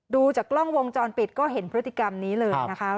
ดูจากกล้องวงจรปิดก็เห็นพฤติกรรมนี้เลยนะคะ